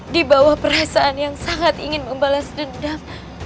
di bawah perasaan yang sangat ingin membalas dendam